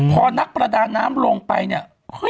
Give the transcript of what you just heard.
พอนักประดาน้ำลงไปเนี่ย